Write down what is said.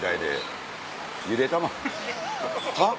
はっ？